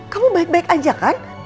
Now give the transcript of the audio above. kamu baik baik aja kan